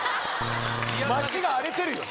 街が荒れてるよ。